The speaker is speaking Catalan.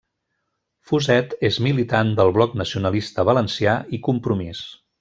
Fuset és militant del Bloc Nacionalista Valencià i Compromís.